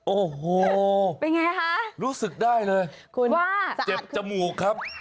โอ้โหรู้สึกได้เลยเจ็บจมูกครับ